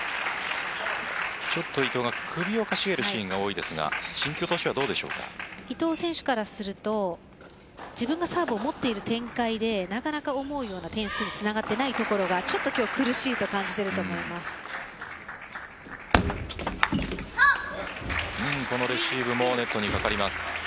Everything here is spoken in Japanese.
ちょっと伊藤が首をかしげるシーンが多いですが伊藤選手からすると自分がサーブを持っている展開でなかなか思うような点数につながっていないところが今日、苦しいと感じているとこのレシーブもネットにかかります。